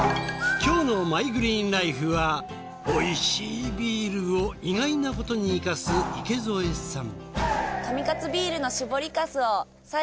今日の『ＭｙＧｒｅｅｎＬｉｆｅ』はおいしいビールを意外なことに生かす池添さん。